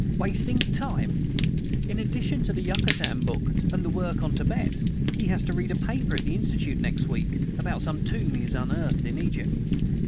"Wasting time! In addition to the Yucatan book and the work on Tibet, he has to read a paper at the Institute next week about some tomb he has unearthed in Egypt.